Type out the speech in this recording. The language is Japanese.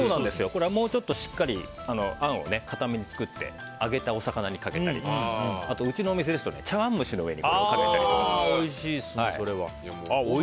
これ、もうちょっとしっかりあんをかために作って揚げたお魚にかけたりうちの店ですと茶わん蒸しの上にかけたりもします。